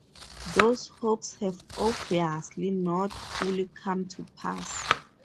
Those hopes have obviously not fully come to pass.